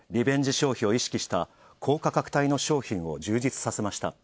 消費を意識した、高価格帯の商品を充実させました。